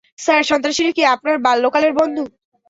Sir, সন্ত্রাসীরা কি আপনার বাল্যকালের বন্ধু?